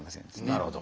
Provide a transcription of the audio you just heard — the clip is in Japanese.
なるほど。